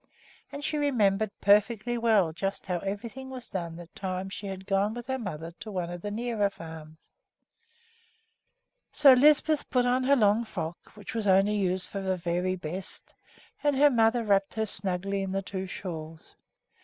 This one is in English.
And she remembered perfectly well just how everything was done that time she had gone with her mother to one of the nearer farms. So Lisbeth put on her long frock, which was used only for very best, and her mother wrapped her up snugly in the two shawls.